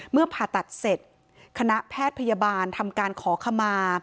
ผ่าตัดเสร็จคณะแพทย์พยาบาลทำการขอขมา